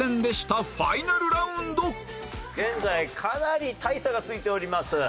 現在かなり大差がついております。